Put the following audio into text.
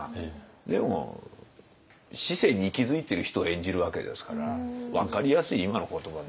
でも市井に息づいている人を演じるわけですから分かりやすい今の言葉で。